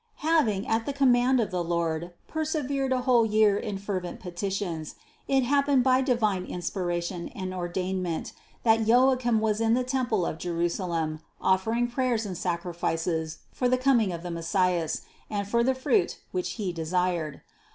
174. Having, at the command of the Lord, perse vered a whole year in fervent petitions, it happened by divine inspiration and ordainment, that Joachim was in the temple of Jerusalem offering prayers and sacrifices for the coming of the Messias, and for the fruit, which he desired.